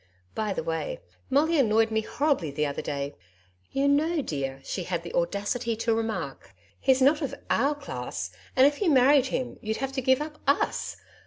By the way, Molly annoyed me horribly the other day. "You know, dear," she had the audacity to remark, "he's not of OUR class, and if you married him, you'd have to give up US!